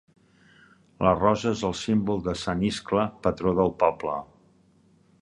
La rosa és el símbol de sant Iscle, patró del poble.